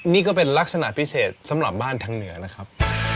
นี่ก็เป็นลักษณะพิเศษสำหรับบ้านทางเหนือนะครับ